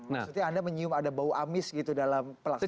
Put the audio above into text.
maksudnya anda menyium ada bau amis gitu dalam pelaksanaan